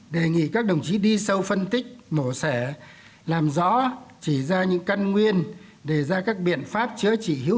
đề nghị các đồng chí đi sâu phân tích mổ xẻ làm rõ chỉ ra những căn nguyên để ra các biện pháp chữa trị hữu hiệu